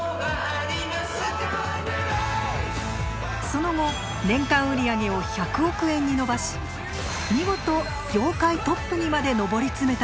その後年間売り上げを１００億円に伸ばし見事業界トップにまで上り詰めたのです。